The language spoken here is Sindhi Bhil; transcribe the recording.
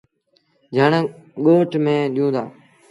جھڻ ڳوٺ ميݩ ڏيوٚن دآ۔